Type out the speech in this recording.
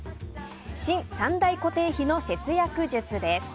新３大固定費の節約術です。